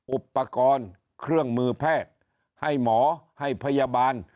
อุปกรณ์เครื่องมือแพทย์ให้หมอให้พยาบาล